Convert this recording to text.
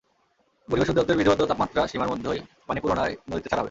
পরিবেশ অধিদপ্তরের বিধিবদ্ধ তাপমাত্রা সীমার মধ্যেই পানি পুনরায় নদীতে ছাড়া হবে।